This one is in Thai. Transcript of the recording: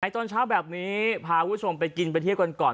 ตอนเช้าแบบนี้พาคุณผู้ชมไปกินไปเที่ยวกันก่อน